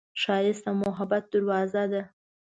ښایست د محبت دروازه ده